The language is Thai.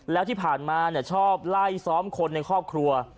แล้วที่ผ่านมาชอบไล่ซ้อมคนในครอบครัว